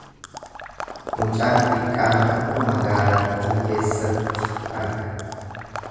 Mucaan xiqqaan tokko magaalattii keessatti arga.